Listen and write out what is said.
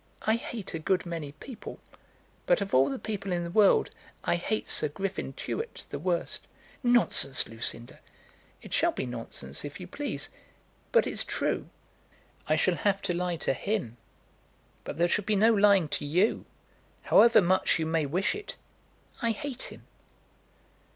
I hate a good many people; but of all the people in the world I hate Sir Griffin Tewett the worst." "Nonsense, Lucinda." "It shall be nonsense, if you please; but it's true. I shall have to lie to him, but there shall be no lying to you, however much you may wish it. I hate him!"